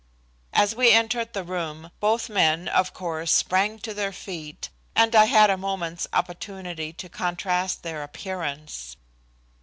As we entered the room both men, of course, sprang to their feet, and I had a moment's opportunity to contrast their appearance.